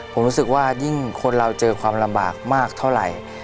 ผมรู้สึกว่ายิ่งคนเราเจอความลำบากมากเท่าไหร่